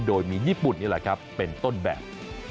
โดยมีญี่ปุ่นนี่แหละครับเป็นต้นแบบ